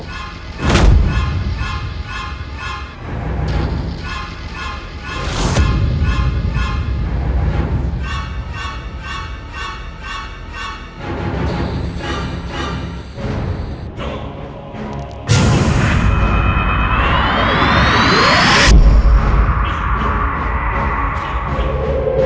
aku akan mengalahkanmu